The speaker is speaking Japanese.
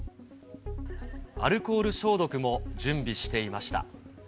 アルコール消毒も準備していました。